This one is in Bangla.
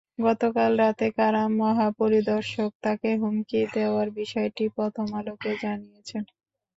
গতকাল রাতে কারা মহাপরিদর্শক তাঁকে হুমকি দেওয়ার বিষয়টি প্রথম আলোকে জানিয়েছেন।